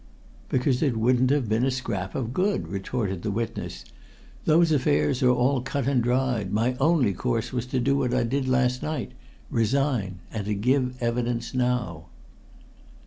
"Because it wouldn't have been a scrap of good!" retorted the witness. "Those affairs are all cut and dried. My only course was to do what I did last night resign. And to give evidence now."